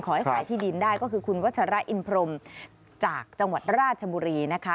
ขายที่ดินได้ก็คือคุณวัชระอินพรมจากจังหวัดราชบุรีนะคะ